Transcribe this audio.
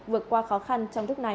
vượt qua khó khăn trong thức này